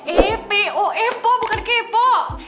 e p o e p o bukan kepo